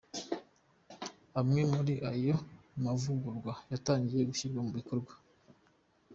Amwe muri ayo mavugurwa yatangiye gushyirwa mu bikorwa.